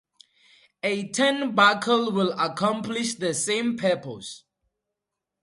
A turnbuckle will accomplish the same purpose.